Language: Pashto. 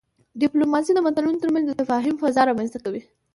ډيپلوماسي د ملتونو ترمنځ د تفاهم فضا رامنځته کوي.